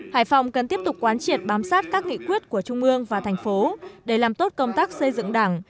hải phòng cần tiếp tục quán triệt bám sát các nghị quyết của trung ương và thành phố để làm tốt công tác xây dựng đảng